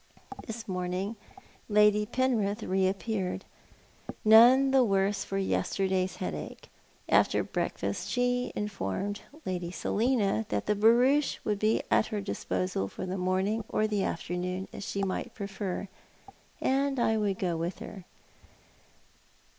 This morning Lady Penrith reappeared, none the worse for yesterday's headache. After breakfast she informed Lady Selina that the barouche would be at her disposal for the morning or the afternoon as she might prefer, and that I would go with her.